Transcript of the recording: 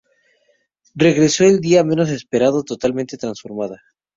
Regreso el día menos esperado, totalmente transformada.